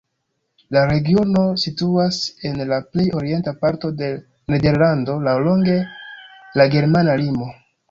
La regiono situas en la plej orienta parto de Nederlando, laŭlonge la germana limo.